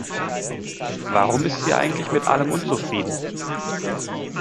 Warum ist sie eigentlich mit allem unzufrieden?